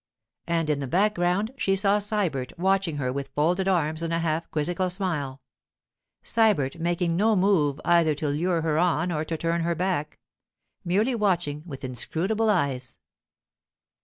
And in the background she saw Sybert watching her with folded arms and a half quizzical smile—Sybert making no move either to lure her on or to turn her back—merely watching with inscrutable eyes.